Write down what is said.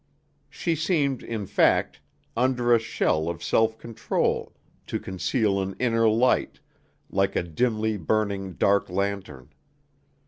She seemed, in fact, under a shell of self control, to conceal an inner light, like a dimly burning dark lantern.